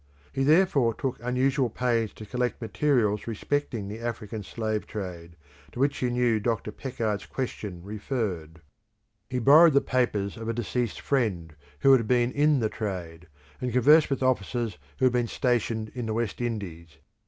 He therefore took unusual pains to collect materials respecting the African slave trade, to which he knew Dr. Peckard's question referred. He borrowed the papers of a deceased friend who had been in the trade, and conversed with officers who had been stationed in the West Indies.